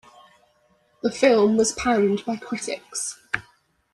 The film was panned by critics.